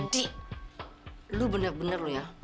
d lu bener bener ya